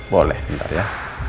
boleh ntar ya